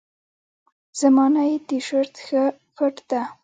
زما نئی تیشرت ښه فټ ده.